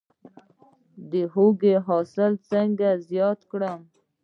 د هوږې حاصل څنګه زیات کړم؟